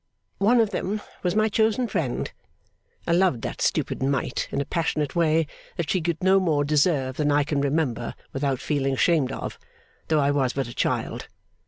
One of them was my chosen friend. I loved that stupid mite in a passionate way that she could no more deserve than I can remember without feeling ashamed of, though I was but a child.